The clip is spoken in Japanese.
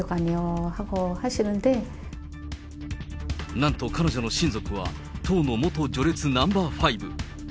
なんと彼女の親族は、党の元序列ナンバー５。